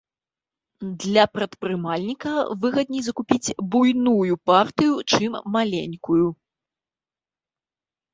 Для прадпрымальніка выгадней закупіць буйную партыю, чым маленькую.